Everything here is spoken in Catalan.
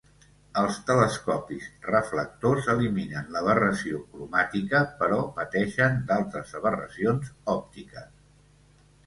Els telescopis reflectors eliminen l'aberració cromàtica però pateixen d'altres aberracions òptiques.